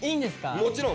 もちろん！